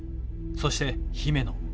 そして姫野。